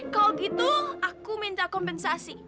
kalau gitu aku minta kompensasi